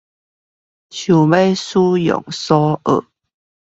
想用用所學